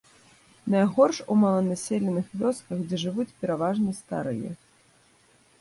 Найгорш у маланаселеных вёсках, дзе жывуць пераважна старыя.